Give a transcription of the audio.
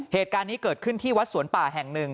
เหตุการณ์นี้เกิดขึ้นที่วัดสวนป่าแห่งหนึ่ง